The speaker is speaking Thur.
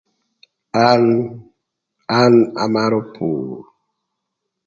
An an amarö pur.